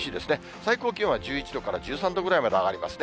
最高気温は１１度から１３度ぐらいまで上がりますね。